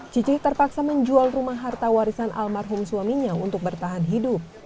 cici terpaksa menjual rumah harta warisan almarhum suaminya untuk bertahan hidup